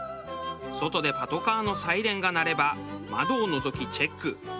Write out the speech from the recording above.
外でパトカーのサイレンが鳴れば窓をのぞきチェック。